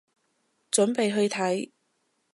準備去睇